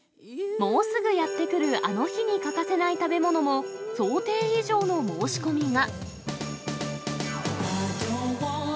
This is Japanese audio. もうすぐやって来るあの日に欠かせない食べ物も、想定以上の申し込みが。